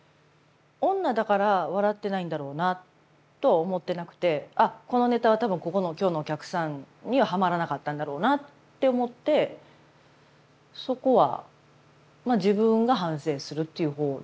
女だから笑ってないんだろうなとは思ってなくてあっこのネタは多分ここの今日のお客さんにはハマらなかったんだろうなって思ってそこはまあ自分が反省するっていう方でしたけどね